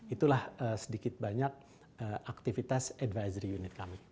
itulah sedikit banyak aktivitas advisory unit kami